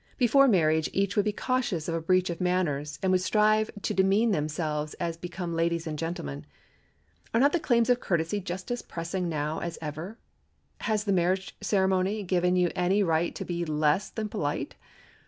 Before marriage each would be cautious of a breach of manners, and would strive to demean themselves as became ladies and gentlemen. Are not the claims of courtesy just as pressing now as ever? Has the marriage ceremony given you any right to be less than polite?